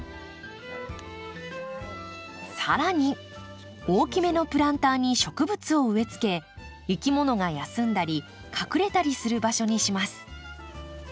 更に大きめのプランターに植物を植えつけいきものが休んだり隠れたりする場所にします。